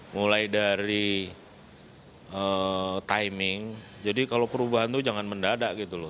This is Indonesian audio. mulai dari timing jadi kalau perubahan itu jangan mendadak gitu loh